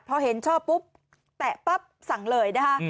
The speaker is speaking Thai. พอเห็นชอบปุ๊บแตะปั๊บสั่งเลยนะคะ